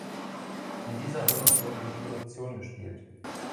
In dieser Runde wurde die Produktion gespielt.